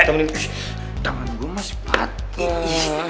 tangan gue masih patuh